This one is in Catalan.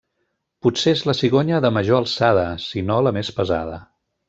Potser és la cigonya de major alçada, si no la més pesada.